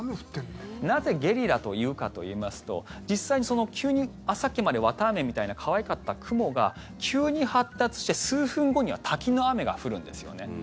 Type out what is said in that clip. なぜゲリラというかといいますと実際に急に、さっきまで綿アメみたいな可愛かった雲が急に発達して、数分後には滝の雨が降るんですよね。